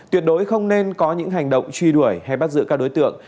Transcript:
tuyệt đối không nên có những hành động truy đuổi hay bắt giữ các đối tượng